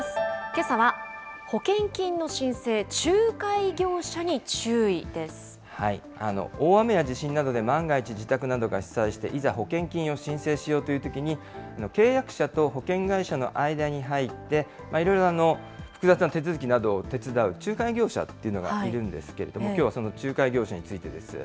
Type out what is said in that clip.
けさは、保険金の申請、仲介業者大雨や地震などで万が一自宅などが被災して、いざ保険金を申請しようというときに、契約者と保険会社の間に入って、いろいろ複雑な手続きなどを手伝う仲介業者というのがいるんですけれども、きょうはその仲介業者についてです。